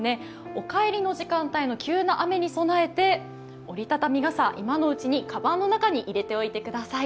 お帰りの時間帯の急な雨に備えて、折り畳み傘、今のうちにカバンの中に入れておいてください。